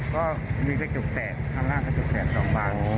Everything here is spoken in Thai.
ก็มีกระจกแสดข้างล่างกระจกแสด๒บ้าน